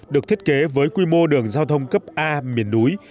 được thiết kế với quy mô đường giao thông cấp a miền núi